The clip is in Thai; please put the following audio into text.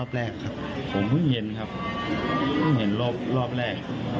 สวัสดีครับคุณผู้ชาย